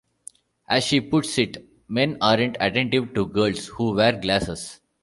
As she puts it, Men aren't attentive to girls who wear glasses.